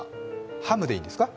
ハムでいいですか？